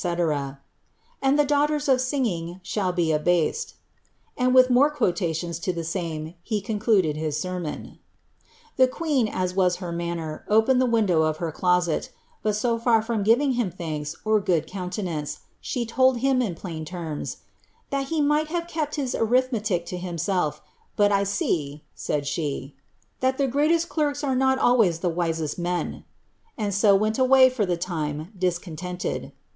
^ and the daughters of singing shall be abased ;' and with more quotations to the same purpose, he concluded his sermon.'' The queen, as her manner was, opened the window of her closet; but so far from giving him thanks or good countenance, she told him in plain terms, that ^ he might have kept his aritlimetic for himself; but I see," said she, ^that the greatest clerks are not always the wisest men;" and so went away, for the time, discontented.